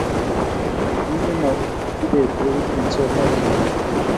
Kiindeno kibet eut eng suwetab Chebet